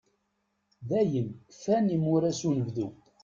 Dayen kfan imuras unebdu.